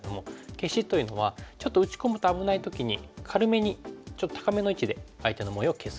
消しというのはちょっと打ち込むと危ない時に軽めにちょっと高めの位置で相手の模様を消す打ち方ですね。